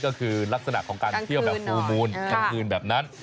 ก็คือลักษณะของการเที่ยวแบบฟูลมูลกลางคืนแบบนั้น